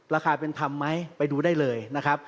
ราคาเป็นธรรมไหมไปดูได้เลยนะครับ